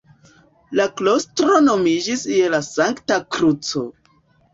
La klostro nomiĝis "Je la Sankta Kruco".